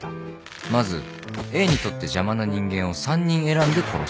まずＡにとって邪魔な人間を３人選んで殺す。